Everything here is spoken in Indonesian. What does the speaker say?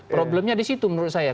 problemnya disitu menurut saya